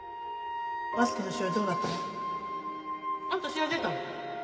バスケの試合どうだったの？あんた試合出たの？